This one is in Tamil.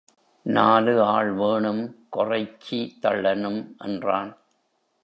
நாலு ஆள் வேணும் கொறைச்சி தள்ளனும், என்றான்.